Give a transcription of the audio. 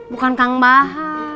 bukan kang bahar